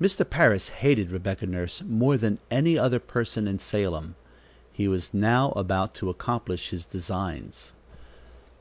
Mr. Parris hated Rebecca Nurse more than any other person in Salem. He was now about to accomplish his designs.